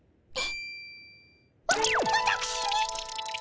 わわたくしに？